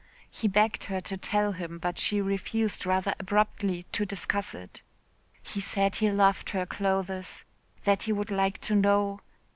He begged her to tell him, but she refused rather abruptly to discuss it. He said he loved her clothes that he would like to know....